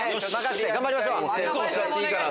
成功しちゃっていいから。